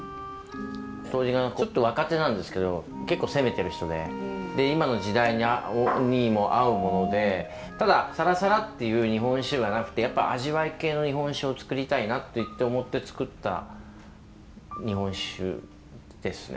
杜氏がちょっと若手なんですけど結構攻めてる人でで今の時代にも合うものでただサラサラっていう日本酒ではなくてやっぱ味わい系の日本酒を造りたいなって言って思って造った日本酒ですね。